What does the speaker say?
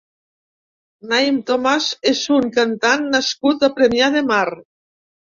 Naím Thomas és un cantant nascut a Premià de Mar.